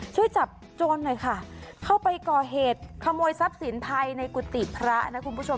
ช่วยจับโจรหน่อยค่ะเข้าไปก่อเหตุขโมยทรัพย์สินภายในกุฏิพระนะคุณผู้ชม